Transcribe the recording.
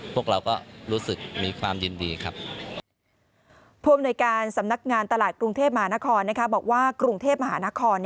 พรุ่มโดยการสำนักงานตลาดกรุงเทพฯมหานครบอกว่ากรุงเทพฯมหานคร